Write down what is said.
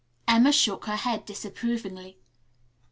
Emma shook her head disapprovingly.